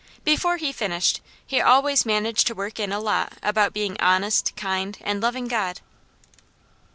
Before he finished, he always managed to work in a lot about being honest, kind, and loving God.